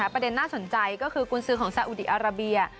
ประเด็นน่าสนใจก็คือกุญสือของซาอุดีอาราเบีย